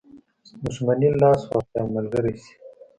دښمني لاس واخلي او ملګری شي.